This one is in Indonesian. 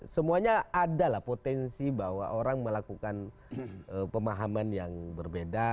semuanya adalah potensi bahwa orang melakukan pemahaman yang berbeda